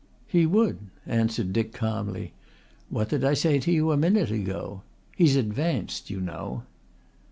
"He would," answered Dick calmly. "What did I say to you a minute ago? He's advanced, you know."